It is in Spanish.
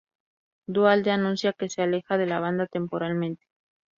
Duhalde anuncia que se aleja de la banda temporalmente.